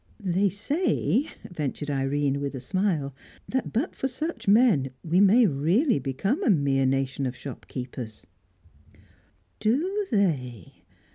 "They say," ventured Irene, with a smile, "that but for such men, we may really become a mere nation of shopkeepers." "Do they?